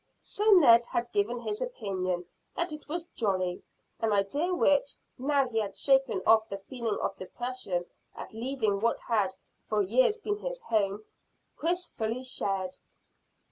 So Ned had given his opinion that it was jolly, an idea which, now he had shaken off the feeling of depression at leaving what had for years been his home, Chris fully shared.